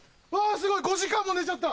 すごい５時間も寝ちゃった！